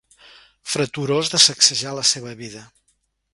Freturós de sacsejar la seva vida.